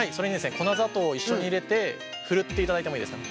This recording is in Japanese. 粉砂糖を一緒に入れてふるっていただいてもいいですかね。